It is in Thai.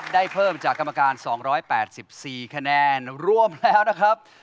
ได้เพิ่มจากกรรมการ๒๘๔คะแนนร่วมแล้วนะครับ